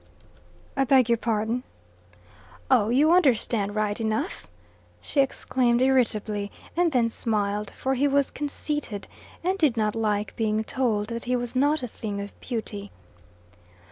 "I beg your pardon?" "Oh, you understand right enough," she exclaimed irritably, and then smiled, for he was conceited, and did not like being told that he was not a thing of beauty.